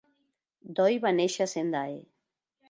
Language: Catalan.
Doi va néixer a Sendai.